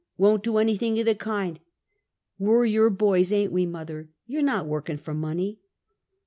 "Won't do anything of the kind ! We're your boys; ain't we, mother? You're not working for money!